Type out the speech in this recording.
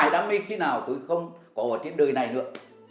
đam mê khi nào tôi không có ở trên đời này nữa